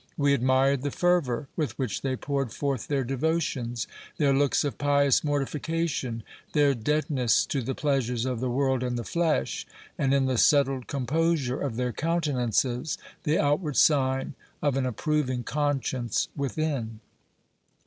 We admired the fervour with which they poured forth their devotions, their looks of pious mortification, their deadness to the pleasures of the world and the flesh, and in the settled composure of their countenances, the outward sign of an approving conscience within.